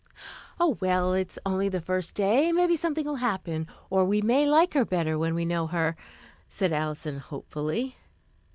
"Oh, well, it's only the first day; maybe something will happen; or we may like her better when we know her," said Alison hopefully.